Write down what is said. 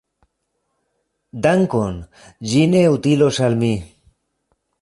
Dankon; ĝi ne utilos al mi.